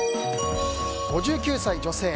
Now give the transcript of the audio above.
５９歳、女性。